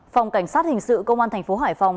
phòng cảnh sát hình sự công an tp hải phòng